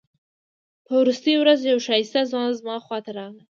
په وروستۍ ورځ یو ښایسته ځوان زما خواته راغی.